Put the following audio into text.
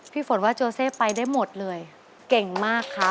ฝนว่าโจเซไปได้หมดเลยเก่งมากค่ะ